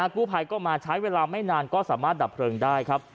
กู้ภัยก็มาใช้เวลาไม่นานก็สามารถดับเพลิงได้ครับ